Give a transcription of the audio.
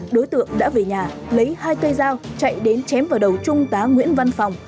đối tượng đã về nhà lấy hai cây dao chạy đến chém vào đầu trung tá nguyễn văn phòng